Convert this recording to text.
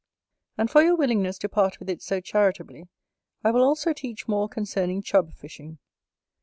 And for your willingness to part with it so charitably, I will also teach more concerning Chub fishing.